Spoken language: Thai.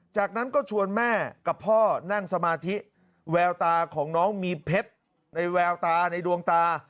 จากนั้นก็ชวนแม่กับพ่อนั่งสมาธิแววตาของน้องมีเพชรในแววตาในดวงตา